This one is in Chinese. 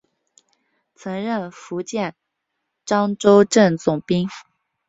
曾任福建漳州镇总兵。